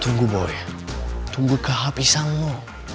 tunggu boy tunggu kehabisanmu